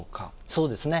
そうですね。